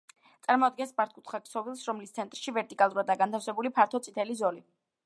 წარმოადგენს მართკუთხა ქსოვილს, რომლის ცენტრში ვერტიკალურადაა განთავსებული ფართო წითელი ზოლი.